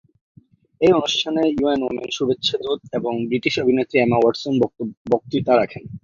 এই অনুষ্ঠানে UN women শুভেচ্ছা দূত এবং ব্রিটিশ অভিনেত্রী এমা ওয়াটসন বক্তৃতা রাখেন।